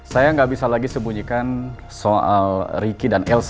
saya nggak bisa lagi sembunyikan soal ricky dan elsa